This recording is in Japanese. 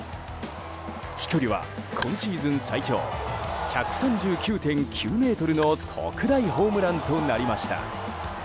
飛距離は今シーズン最長１３９．９ｍの特大ホームランとなりました。